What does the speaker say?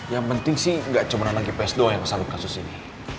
yang penting sih nggak cuma anak ipa ips doang yang kesal dengan kasus ini